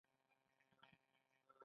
دوی په نړیوال اقتصاد کې ونډه لري.